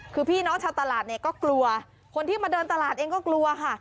คือพี่น้องชาวตลาดเนี่ยก็กลัวคนที่มาเดินตลาดเองก็กลัวค่ะ